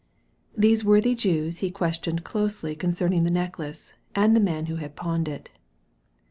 These worthy Jews he questioned closely concerning the necklace, and the man who had pawned it.